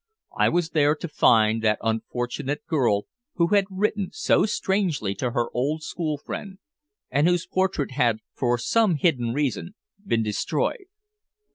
I was there to find that unfortunate girl who had written so strangely to her old school friend and whose portrait had, for some hidden reason, been destroyed.